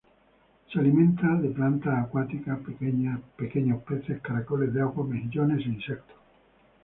Se alimenta de plantas acuáticas, pequeños peces, caracoles de agua, mejillones e insectos.